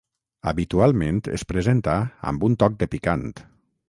Habitualment es presenta amb un toc de picant.